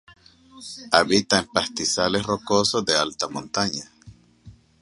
Habita en pastizales rocosos de alta montaña.